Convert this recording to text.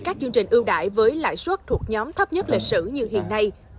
các chương trình ưu đại với lãi suất thuộc nhóm thấp nhất lịch sử như hiện nay